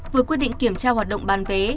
vừa quyết định kiểm tra hoạt động bán vé